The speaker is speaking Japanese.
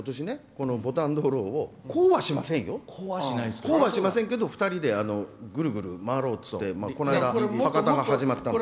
この「牡丹灯籠」をこうはしませんけど、２人でぐるぐる回ろうっていってこの間、博多から始まったんです。